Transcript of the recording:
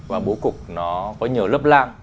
và bố cục nó có nhiều lớp lam